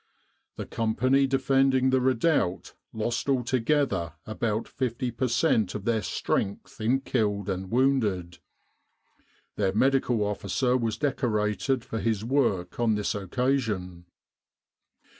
The company defending the redoubt lost altogether about 50 per cent, of their strength in killed and wounded. Their Medical Officer was decorated for his work on this occasion.